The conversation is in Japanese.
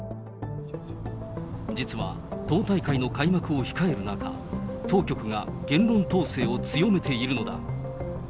実は、党大会の開幕を控える中、当局が言論統制を強めているのだ。